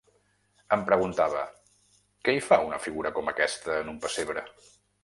Em preguntava: què hi fa una figura com aquesta, en un pessebre?